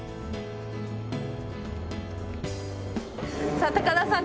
さあ高田さん